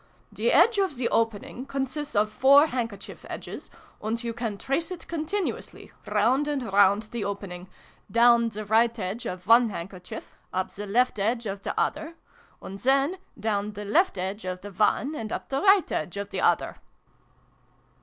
" The edge of the opening consists of four hand kerchief edges, and you can trace it continu ously, round and round the opening : down the right edge of one handkerchief, up the left edge of the other, and then down the left edge of the one, and up the right edge of the other!"